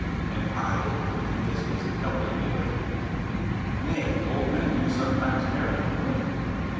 and I don't believe this was an elderly lady." "Nay, old men do sometimes marry young women."